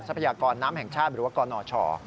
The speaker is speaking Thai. พยากรน้ำแห่งชาติหรือว่ากนช